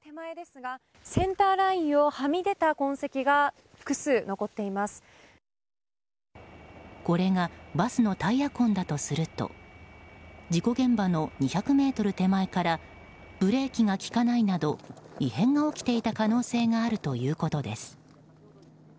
センターラインをはみ出た痕跡がこれがバスのタイヤ痕だとすると事故現場の２００ｍ手前からブレーキが利かないなど異変が起きていた可能性があるということです。